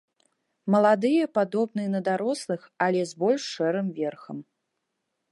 Маладыя падобныя на дарослых, але з больш шэрым верхам.